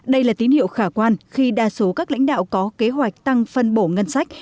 đây là tín hiệu khả quan khi đa số các lãnh đạo có kế hoạch tăng phân bổ ngân sách